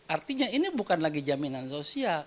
artinya ini bukan lagi jaminan sosial